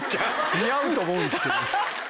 似合うと思うんですけど。